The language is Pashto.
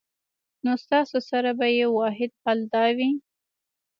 نو ستاسو سره به ئې واحد حل دا وي